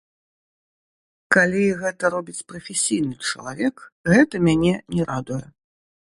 Калі гэта робіць прафесійны чалавек, гэта мяне не радуе.